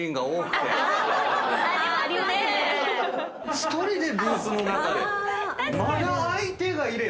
１人でブースの中で。